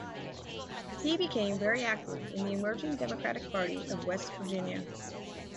He became very active in the emerging Democratic Party of West Virginia.